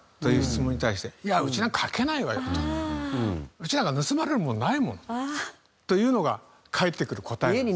「うちなんか盗まれるものないもん」というのが返ってくる答えなんです。